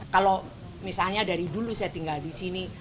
kalau misalnya dari dulu saya tinggal di sini